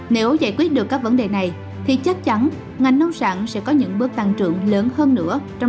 nếu giải quyết được các vấn đề này thì chắc chắn ngành nông sản sẽ có những bước tăng trưởng lớn hơn nữa trong